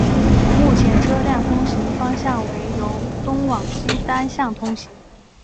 目前车辆通行方向为由东往西单向通行。